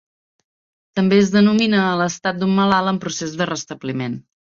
També es denomina a l'estat d'un malalt en procés de restabliment.